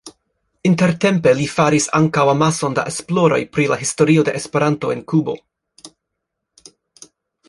Intertempe li faris ankaŭ amason da esploroj pri la historio de Esperanto en Kubo.